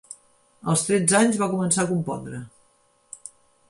Als tretze anys va començar a compondre.